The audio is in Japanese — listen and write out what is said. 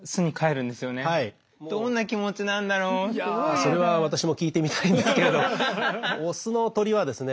それは私も聞いてみたいんですけれどオスの鳥はですね